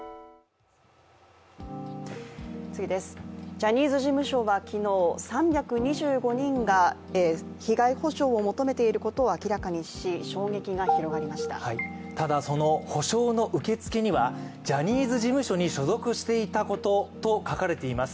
ジャニーズ事務所は昨日、３２５人が被害補償を求めていることを明らかにし、ただ、その補償の受付にはジャニーズ事務所に所属していたことと書かれています。